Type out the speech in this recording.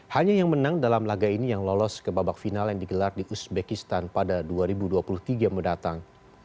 hanya yang menang dalam laga ini yang lolos ke babak final yang digelar di uzbekistan pada dua ribu dua puluh tiga mendatang